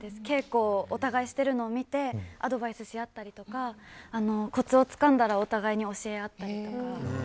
稽古をお互いにしているのを見てアドバイスし合ったりとかコツをつかんだらお互いに教え合ったりとか。